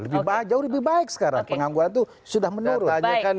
lebih jauh lebih baik sekarang pengangguran itu sudah menurun